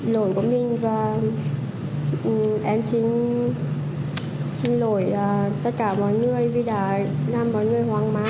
lỗi của mình và em xin lỗi tất cả mọi người vì đã làm mọi người hoang mái vì thông tin mà mình đăng lên